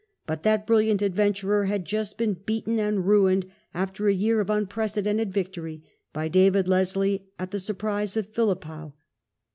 But that brilliant adventurer had just been beaten and ruined, after a year of unprecedented victory, by David Leslie at the surprise of Philiphaugh.